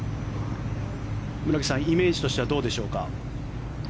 村口さんイメージとしてはどうでしょうか。